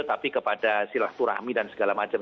tapi kepada silaturahmi dan segala macam